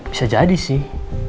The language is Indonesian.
bisa jadi sih